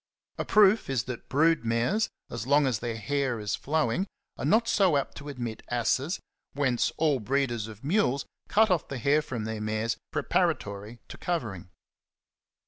^^ A proof is that brood mares, as long as their hair is flowing, are not so apt to admit asses, whence all breeders of mules cut off the hairdo from their mares preparatory to covering.